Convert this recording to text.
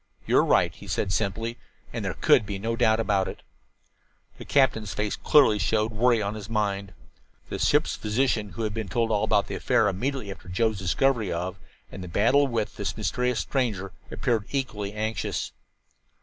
"You are right," he said simply. And there could be no doubt about it. The captain's face clearly showed the worry on his mind. The ship's physician, who had been told all about the affair, immediately after Joe's discovery of, and battle with, the mysterious stranger, appeared equally anxious.